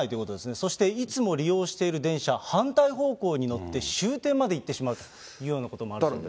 そしていつも利用している電車、反対方向に乗って終点まで行ってしまうということもあるようです。